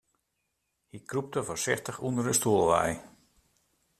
Hy krûpte foarsichtich ûnder de stoel wei.